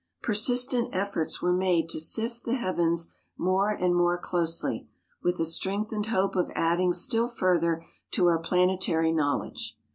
Persistent efforts were made to sift the heavens more and more closely, with the strengthened hope of adding still further to our planetary knowledge.